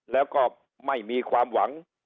แล้วก็ไม่มีความหวัง